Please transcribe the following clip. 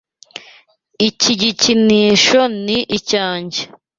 Iki gikinisho ni icyanjye.